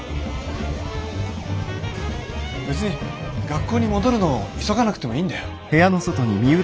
別に学校に戻るのを急がなくてもいいんだよ。